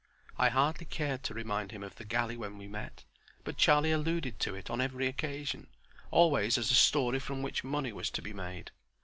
I hardly cared to remind him of the galley when we met; but Charlie alluded to it on every occasion, always as a story from which money was to be made.